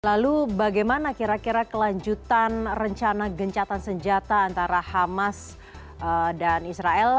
lalu bagaimana kira kira kelanjutan rencana gencatan senjata antara hamas dan israel